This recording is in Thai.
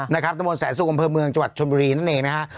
นะครับตะโมนแสนศูกรมเภอเมืองจังหวัดชมรีนั่นเองนะครับ